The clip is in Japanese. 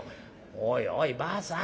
「おいおいばあさん。